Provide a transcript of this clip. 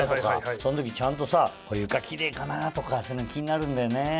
その時ちゃんとさ床キレイかなとかそういうの気になるんだよね。